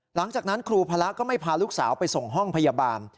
หลังจากนั้นครูพระก็ไม่พาลูกสาวไปส่งห้องพยาบาล